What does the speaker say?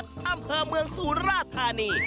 โรงโต้งคืออะไร